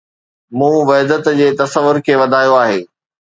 مون وحدت جي تصور کي وڌايو آهي